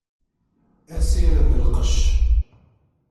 Asired n lqec.